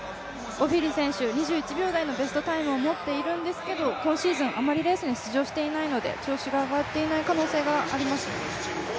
オフィリ選手、２１秒台の自己ベストを持っているんですけれども今あまりレースに出場していないので、調子があがっていない可能性があります。